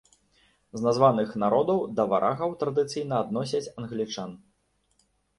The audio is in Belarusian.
З названых народаў да варагаў традыцыйна адносяць англічан.